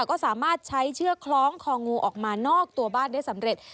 ก็สามารถใช้เชือกคล้องคองูออกมานอกตัวบ้านได้สำเร็จ